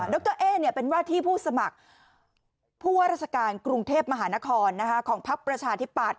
รเอ๊เป็นว่าที่ผู้สมัครผู้ว่าราชการกรุงเทพมหานครของพักประชาธิปัตย